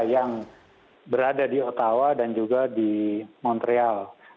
yang berada di ottawa dan juga di montreal